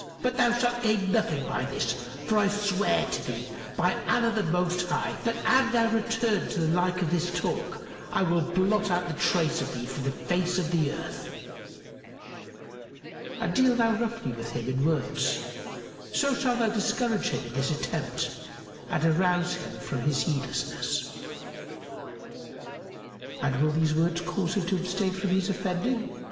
But thou shalt gain nothing by this; for I swear to thee, by Allah the Most High, that an thou return to the like of this talk, I will blot out the trace of thee from the face of earth!' And deal thou roughly with him in words, so shalt thou discourage him in this attempt and arouse him from his heedlessness." "And will these words cause him to abstain from his offending?"